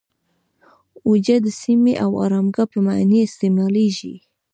اویجه د سیمې او آرامګاه په معنی استعمالیږي.